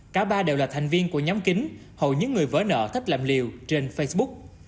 cả ba đều là thành viên của nhóm kính hầu như người vỡ nợ thấp lạm liều trên facebook